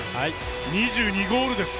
２２ゴールです。